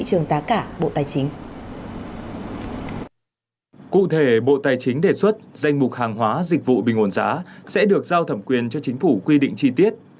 cụ thể bộ tài chính đề xuất danh mục hàng hóa dịch vụ bình ổn giá sẽ được giao thẩm quyền cho chính phủ quy định chi tiết